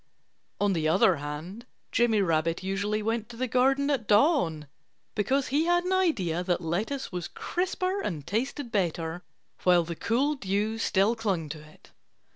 On the other hand, Jimmy Rabbit usually went to the garden at dawn, because he had an idea that lettuce was crisper and tasted better while the cool dew still clung to it.